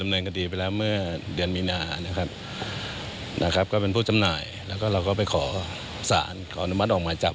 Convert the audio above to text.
ไม่ใช่ฉะนั้นเขาก็ไปธรรมงานนี้